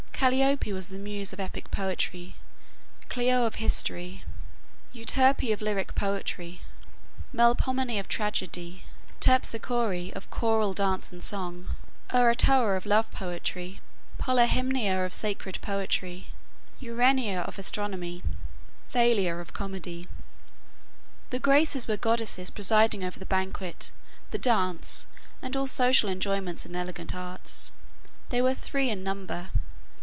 Calliope was the muse of epic poetry, Clio of history, Euterpe of lyric poetry, Melpomene of tragedy, Terpsichore of choral dance and song, Erato of love poetry, Polyhymnia of sacred poetry, Urania of astronomy, Thalia of comedy. The Graces were goddesses presiding over the banquet, the dance, and all social enjoyments and elegant arts. They were three in number.